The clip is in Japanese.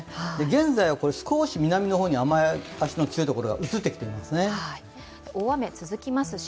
現在は少し南の方に、雨足の強いところが移ってきていますね。